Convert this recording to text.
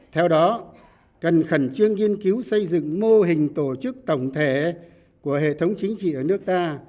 theo đó cần khẩn trương nghiên cứu xây dựng mô hình tổ chức tổng thể của hệ thống chính trị ở nước ta